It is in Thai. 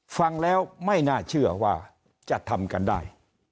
ฟังแล้วไม่น่าเชื่อว่าจะทำกันได้